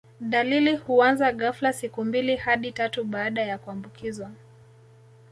Dalili huanza ghafla siku mbili hadi tatu baada ya kuambukizwa